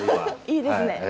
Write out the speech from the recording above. いいですね。